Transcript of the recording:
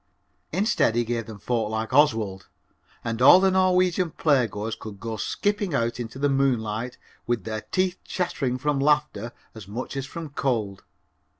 Instead he gave them folk like Oswald, and all the Norwegian playgoers could go skipping out into the moonlight with their teeth chattering from laughter as much as from cold.